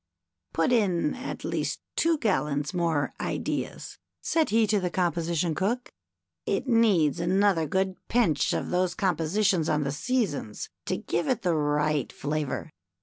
" Put in at least two gallons more Ideas," said he to the Composition cook. " It needs another good pinch of those compositions on the Seasons to give it the right flavor.